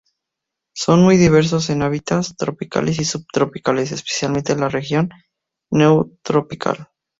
Son muy diversas en hábitats tropicales y subtropicales, especialmente en la región neotropical.